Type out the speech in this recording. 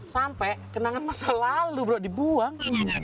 sampai kenangan masa lalu bro dibuang